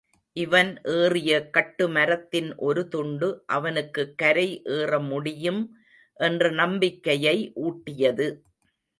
இவன் ஏறிய கட்டுமரத்தின் ஒரு துண்டு அவனுக்குக் கரை ஏறமுடியும் என்ற நம்பிக்கையை ஊட்டியது.